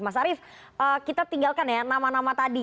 mas arief kita tinggalkan ya nama nama tadi